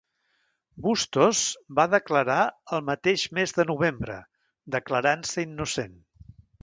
Bustos va declarar el mateix mes de novembre, declarant-se innocent.